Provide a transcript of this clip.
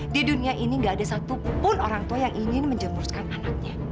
di dunia ini gak ada satupun orang tua yang ingin menjemurskan anaknya